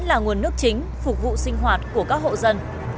nước này là nguồn nước chính phục vụ sinh hoạt của các hộ dân